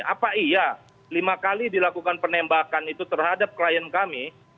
apa iya lima kali dilakukan penembakan itu terhadap klien kami